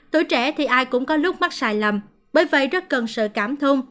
tuổi trẻ thì ai cũng có lúc mắc sai lầm bởi vậy rất cần sự cảm thông